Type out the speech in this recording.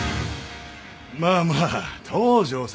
まあまあ東城さん。